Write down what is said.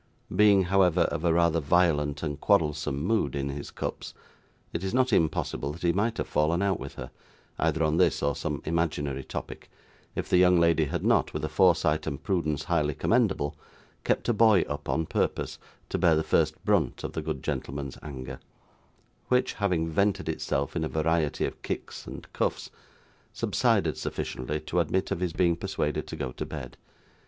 Being, however, of a rather violent and quarrelsome mood in his cups, it is not impossible that he might have fallen out with her, either on this or some imaginary topic, if the young lady had not, with a foresight and prudence highly commendable, kept a boy up, on purpose, to bear the first brunt of the good gentleman's anger; which, having vented itself in a variety of kicks and cuffs, subsided sufficiently to admit of his being persuaded to go to bed.